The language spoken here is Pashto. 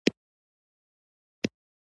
هلته د اسلام د ستر پیغمبر یو دوست و.